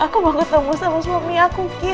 aku mau ketemu sama suami aku